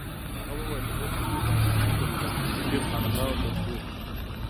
هغه وویل اوس به موږ د افغاني پیر خانقا ته ځو.